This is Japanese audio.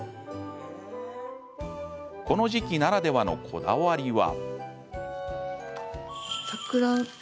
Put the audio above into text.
この時期ならではの、こだわりは。